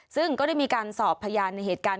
ซึ่งก็ได้มีการสอบพยานในเหตุการณ์